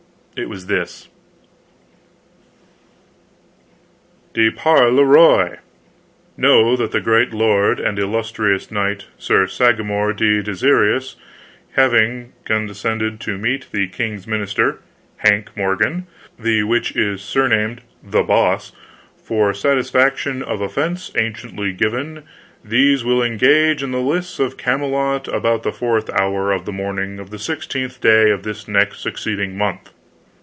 It was this: DE PAR LE ROI. Know that the great lord and illus trious Knight, SIR SAGRAMOR LE DESIROUS having condescended to meet the King's Minister, Hank Mor gan, the which is surnamed The Boss, for satisfgction of offence anciently given, these wilL engage in the lists by Camelot about the fourth hour of the morning of the sixteenth day of this next succeeding month.